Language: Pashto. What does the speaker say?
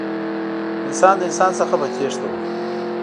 انسان له انسان څخه په تېښته و.